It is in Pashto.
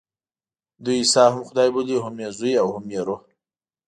دوی عیسی هم خدای بولي، هم یې زوی او هم یې روح.